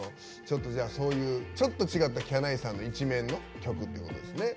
そういうちょっと違ったきゃないさんの一面の曲ということですね。